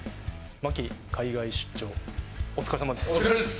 マキ、海外出張、お疲れさまです。